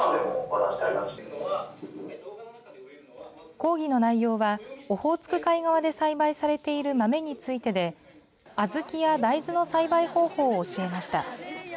講義の内容はオホーツク海側で栽培されている豆についてで、小豆や大豆の栽培方法を教えました。